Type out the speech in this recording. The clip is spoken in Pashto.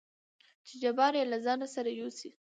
چې جبار يې له ځانه سره يوسي.